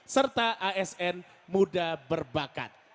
serta asn muda berbakat